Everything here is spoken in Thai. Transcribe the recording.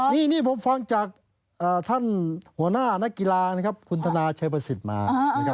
นี่ผมฟังจากท่านหัวหน้านักกีฬานะครับคุณธนาชัยประสิทธิ์มานะครับ